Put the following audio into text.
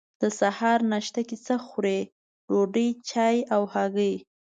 د سهار ناشته کی څه خورئ؟ ډوډۍ، چای او هګۍ